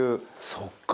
そっか。